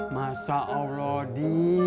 masa allah ji